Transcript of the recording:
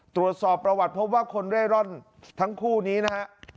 ตรวจสอบประวัติพบว่าคนเร่ร่อนทั้งคู่นี้นะฮะ